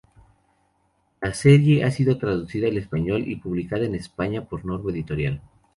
La serie ha sido traducida al español y publicada en España por Norma Editorial.